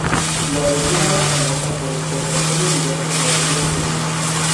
La región era famosa por exportación de diversas materias primas.